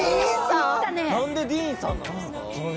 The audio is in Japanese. なんでディーンさんなんですか？